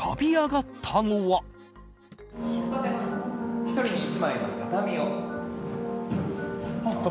さて、１人に１枚の畳を。